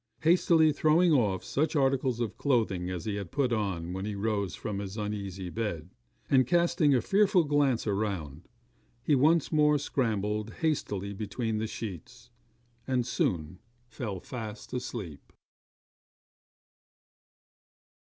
Hastily throwing off such articles of clothing as he had put on when he rose from his uneasy bed, and casting a fearful glance around, he once more scrambled hastily between the sheets, and soon fell fast asleep.